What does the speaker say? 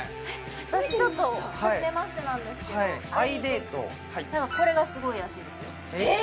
私「はじめまして」なんですけどこれがすごいらしいですよへぇ！？